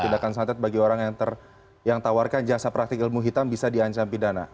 tindakan santet bagi orang yang tawarkan jasa praktik ilmu hitam bisa diancam pidana